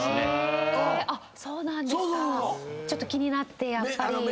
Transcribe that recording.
ちょっと気になってやっぱり。